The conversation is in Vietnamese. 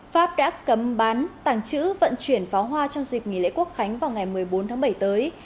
pháp đã cấm bán tàng trữ vận chuyển pháo hoa trong dịp nghỉ lễ quốc khánh vào ngày một mươi bốn tháng bảy tới